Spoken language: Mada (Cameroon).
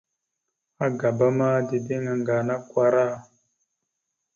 Agaba ma, dideŋ aŋga ana akwara.